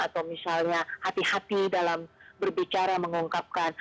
atau misalnya hati hati dalam berbicara mengungkapkan